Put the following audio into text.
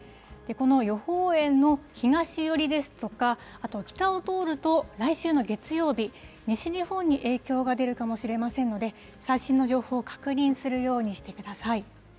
この予報円の東寄りですとか、あとは北を通ると、来週の月曜日、西日本に影響が出るかもしれませんので、最新の情報を確認するようにしてください。